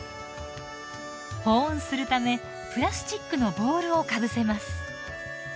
保温するためプラスチックのボウルをかぶせます。